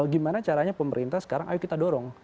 gimana caranya pemerintah sekarang ayo kita dorong